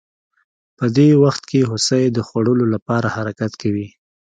په دې وخت کې هوسۍ د خوړو لپاره حرکت کوي